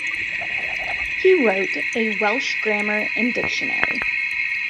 He wrote a Welsh grammar and dictionary.